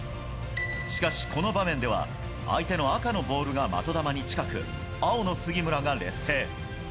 しかし、この場面では相手の赤のボールが的球に近く青の杉村が劣勢。